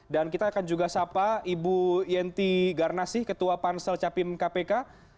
dan kita akan juga sapa ibu yenti garnasih ketua pansel capim kpk